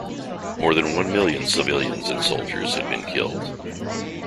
More than one million civilians and soldiers had been killed.